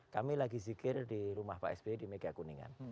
kami lagi zikir di rumah pak sby di mega kuningan